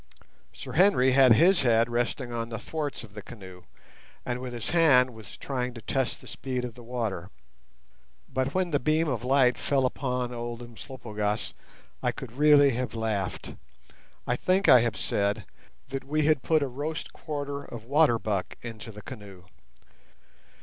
Sir Henry had his head resting on the thwarts of the canoe, and with his hand was trying to test the speed of the water. But when the beam of light fell upon old Umslopogaas I could really have laughed. I think I have said that we had put a roast quarter of water buck into the canoe.